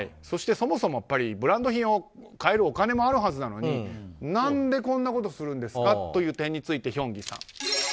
そして、そもそもブランド品を買えるお金もあったはずなのに何でこんなことするんですかという点についてヒョンギさん。